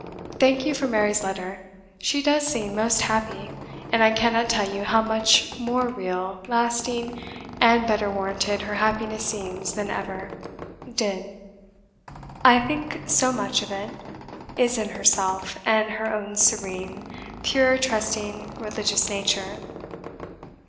Thank you for Mary's letter. She DOES seem most happy; and I cannot tell you how much more real, lasting, and better warranted her happiness seems than ever 's did. I think so much of it is in herself, and her own serene, pure, trusting, religious nature.